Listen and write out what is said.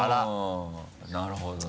なるほどね。